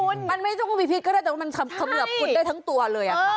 มันไม่ใช่ตัวงูมีพิษก็ได้แต่มันเขมือบคุณได้ทั้งตัวเลย